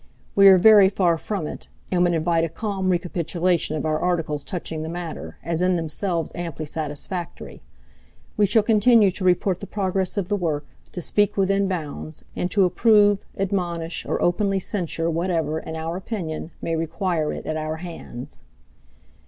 We are very far from it, and would invite a calm recapitulation of our articles touching the matter, as in themselves amply satisfactory. We shall continue to report the progress of the work, to speak within bounds, and to approve, admonish, or openly censure whatever, in our opinion, may require it at our hands.